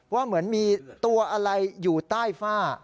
ว่าเหมือนมีตัวอะไรอยู่ใต้ฝ้า